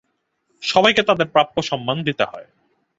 সবাইকে তাদের প্রাপ্য সম্মান দিতে হয়।